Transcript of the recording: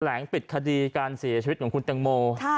ลงปิดคดีการเสียชีวิตของคุณแตงโม